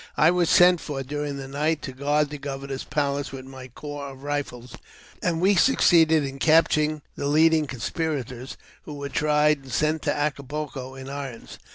I was sent for during the night to guard the governor's palace with my corps of rifles, and we succeeded in capturing the leading conspirators, who were tried and sent to Acapulco in irons.